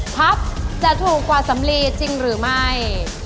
พับจะถูกกว่าสำลีจริงหรือไม่